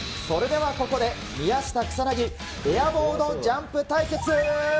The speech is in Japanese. それでは、ここで宮下草薙、エアボードジャンプ対決。